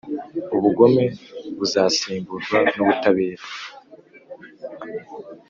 Ubugome buzasimburwa n’ubutabera